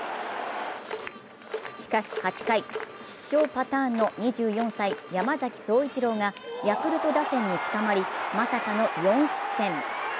しかし８回、必勝パターンの２４歳、山崎颯一郎がヤクルト打線につかまり、まさかの４失点。